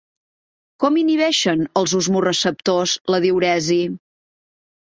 Com inhibeixen els osmoreceptors la diüresi?